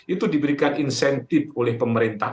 itu diberikan insentif oleh pemerintah